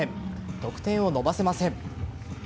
得点を伸ばせません。